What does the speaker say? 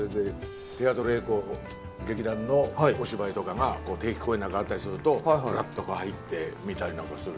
テアトル・エコー劇団のお芝居とかが定期公演なんかあったりするとふらっと入って見たりなんかする。